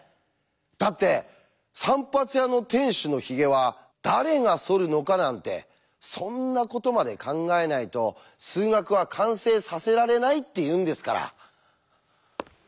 だって散髪屋の店主のヒゲは誰がそるのかなんてそんなことまで考えないと数学は完成させられないって言うんですから。